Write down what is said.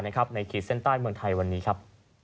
ขีดเส้นใต้เมืองไทยวันนี้ครับ